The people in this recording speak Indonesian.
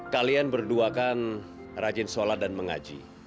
kalian berduakan rajin sholat dan mengaji